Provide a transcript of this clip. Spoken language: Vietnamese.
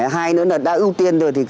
hai nữa là đã ưu tiên rồi thì